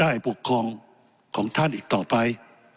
ปกครองของท่านอีกต่อไป